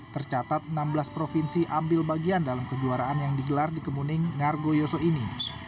tercatat enam belas provinsi ambil bagian dalam kejuaraan yang digelar di kemuning ngargoyoso ini